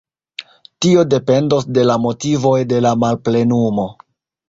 Tio dependos de la motivoj de la malplenumo.